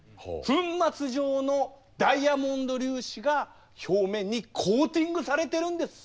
粉末状のダイヤモンド粒子が表面にコーティングされてるんです。